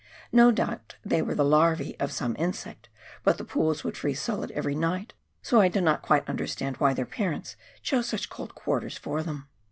No doubt they were the larvcB of some insect, but the pools would freeze solid every night, so I do not quite understand why their parents chose such cold quarters for them!